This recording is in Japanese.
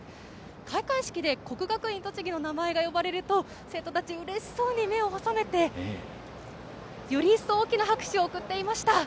開会式で国学院栃木の名前が呼ばれると生徒たちはうれしそうに目を細めて、よりいっそう大きな拍手を送っていました。